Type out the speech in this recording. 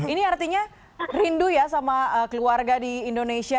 ini artinya rindu ya sama keluarga di indonesia